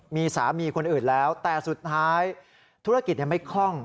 มีสามีคนอื่นแล้วแต่สุดท้ายธุรกิจไม่คล่อง